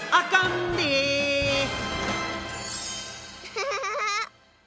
ハハハハハ！